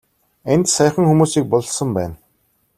Энд саяхан хүмүүсийг булсан байна.